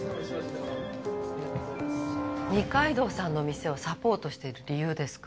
二階堂さんの店をサポートしている理由ですか？